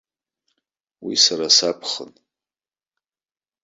Уи сара сакәхын.